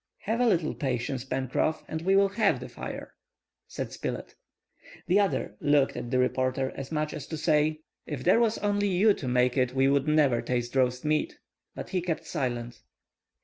"Have a little patience, Pencroff, and we will have the fire," said Spilett. The other looked at the reporter as much as to say, "If there was only you to make it we would never taste roast meat." But he kept silent.